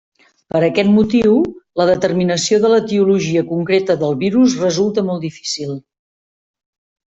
Per aquest motiu, la determinació de l’etiologia concreta del virus resulta molt difícil.